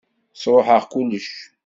Sṛuḥeɣ kullec.